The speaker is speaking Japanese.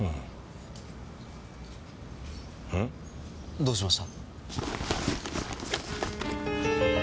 どうしました？